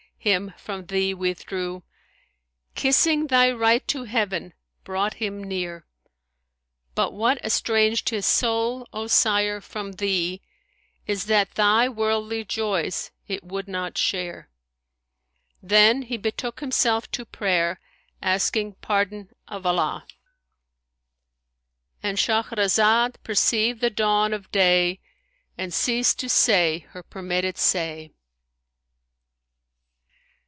him from thee withdrew, * Kissing thy right to Heaven brought him near.[FN#165] But what estranged his soul, O sire, from thee * Is that thy worldly joys it would not share!' Then he betook himself to prayer, asking pardon of Allah'—And Shahrazad perceived the dawn of day and ceased to say her permitted say.